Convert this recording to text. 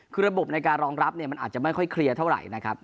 คือระบบในการรองรับเนี่ยมันอาจจะไม่ค่อยเคลียร์เท่าไหร่นะครับ